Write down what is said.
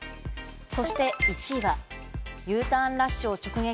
そして１位は、Ｕターンラッシュを直撃。